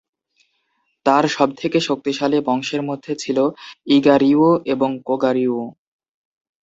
তবে সবথেকে শক্তিশালী বংশের মধ্যে ছিল "ইগা-রিয়্যু" এবং "কোগা-রিয়্যু"।